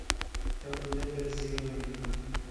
Ew nebeziyane.